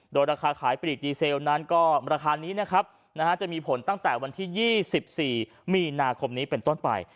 โดยราคาขายปลีกดีเซลนั้นก็ราคานี้นะครับจะมีผลตั้งแต่วันที่๒๔มีนาคมนี้เป็นต้นไป